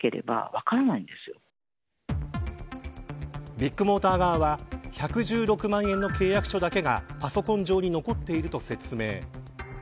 ビッグモーター側は１１６万円の契約書だけがパソコン上に残っていると説明。